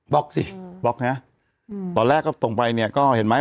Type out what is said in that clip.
บอกสิบอกนะฮะอืมตอนแรกก็ตรงไปเนี้ยก็เห็นไหม